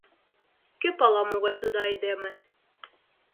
Кӧ пала, могай тудо айдеме?